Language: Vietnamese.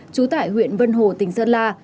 trú tại huyện vân hồ tỉnh sơn la